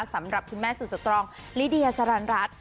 สำหรับคุณแม่สุดสตรองลิเดียสรรรัส